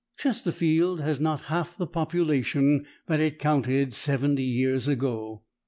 Chesterfield has not half the population that it counted seventy years ago.